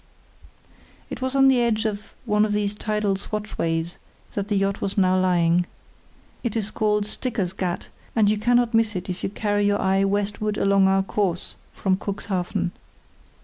It was on the edge of one of these tidal swatchways that the yacht was now lying. It is called Sticker's Gat, and you cannot miss it [See Chart A] if you carry your eye westward along our course from Cuxhaven.